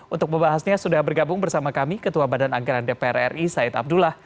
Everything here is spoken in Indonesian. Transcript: untuk membahasnya sudah bergabung bersama kami ketua badan anggaran dpr ri said abdullah